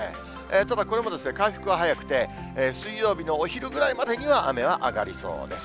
ただ、これも回復は早くて、水曜日のお昼ぐらいまでには、雨は上がりそうです。